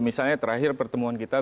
misalnya terakhir pertemuan kita